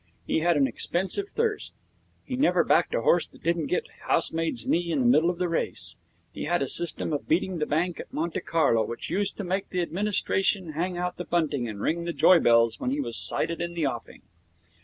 He had an expensive thirst. He never backed a horse that didn't get housemaid's knee in the middle of the race. He had a system of beating the bank at Monte Carlo which used to make the administration hang out the bunting and ring the joy bells when he was sighted in the offing.